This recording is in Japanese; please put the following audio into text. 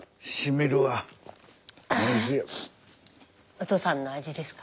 お父さんの味ですか？